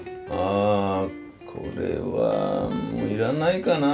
あこれはもう要らないかな。